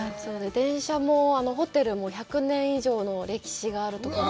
電車も、ホテルも、１００年以上の歴史があるところなので。